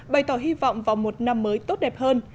bày tỏ hy vọng vào một năm mới tốt đẹp hơn